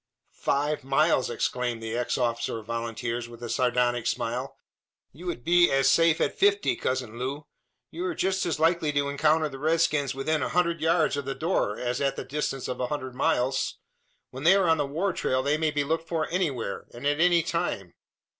"Five miles!" exclaimed the ex officer of volunteers, with a sardonic smile; "you would be as safe at fifty, cousin Loo. You are just as likely to encounter the redskins within a hundred yards of the door, as at the distance of a hundred miles. When they are on the war trail they may be looked for anywhere, and at any time.